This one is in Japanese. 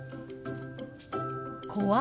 「怖い」。